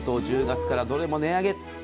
１０月からどれも値上げ。